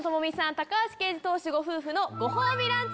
高橋奎二投手ご夫婦のご褒美ランチ